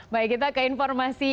baik kita ke informasi